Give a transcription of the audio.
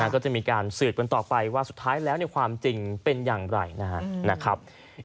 ก็จะมีการสืบกันต่อไปว่าสุดท้ายแล้วความจริงเป็นอย่างไรนะครับ